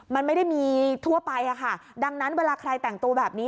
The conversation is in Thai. มันไม่ได้มีทั่วไปค่ะดังนั้นเวลาใครแต่งตัวแบบนี้